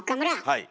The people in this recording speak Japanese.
はい。